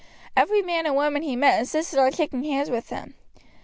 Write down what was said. Every man and woman he met insisted on shaking hands with him.